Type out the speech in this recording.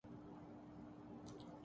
اور اسے سیکستیلیس یعنی چھٹا کہتے تھے